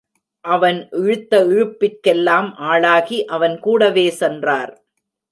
அவன் இழுத்த இழுப்பிற்கெல்லாம் ஆளாகி அவன் கூடவே சென்றார்.